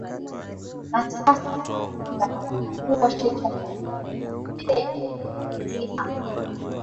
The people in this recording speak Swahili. na sasa kumsikiliza katibu mkuu wa shirika la maendeleo la bendewa prince kihangi